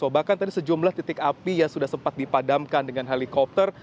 bahkan tadi sejumlah titik api yang sudah sempat dipadamkan dengan helikopter